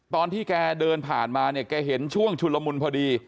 ตอนที่แกเดินผ่ามาแกเห็นช่วงฉุดระมุนพอดี